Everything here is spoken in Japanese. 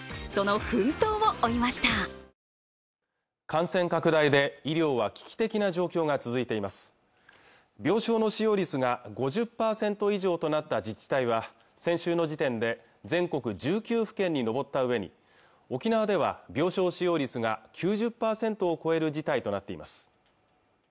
感染拡大で医療は危機的な状況が続いています病床の使用率が５０％以上となった自治体は先週の時点で全国１９府県に上った上に沖縄では病床使用率が９０％を超える事態となっています